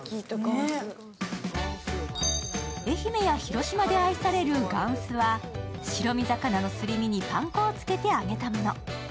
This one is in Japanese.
愛媛や広島で愛されるがんすは白身魚のすり身にパン粉をつけて揚げたもの。